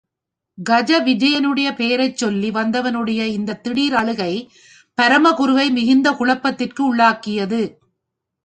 கனக விஜயனுடைய பெயரைச் சொல்லி வந்தவனுடைய இந்த திடீர் அழுகை பரமகுருவை மிகுந்த குழப்பத்திற்கு உள்ளாக்கியது.